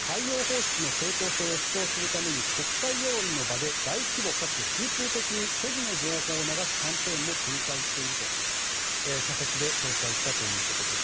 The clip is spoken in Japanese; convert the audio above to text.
海洋放出の正当性を主張するために国際世論の場で大規模かつ集中的に虚偽の情報を流すキャンペーンも展開していると社説で紹介したということです。